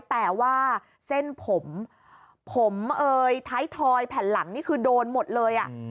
แต่ว่าเส้นผมผมเอ่ยท้ายทอยแผ่นหลังนี่คือโดนหมดเลย